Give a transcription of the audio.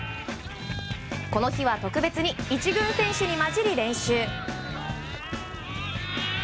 この日は特別に１軍選手に交じり練習。